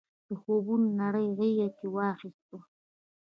د خوبونو نړۍ غېږ کې واخیستو.